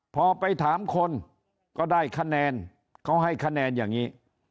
พอไปถามคนก็ได้คะแนนเขาให้คะแนนอย่างนี้